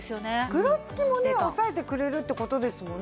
ぐらつきもねおさえてくれるって事ですもんね。